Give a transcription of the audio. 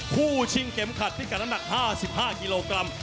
คู่ชิงเก๋มขัดที่กระนะหนัก๕๕กิโลกรัม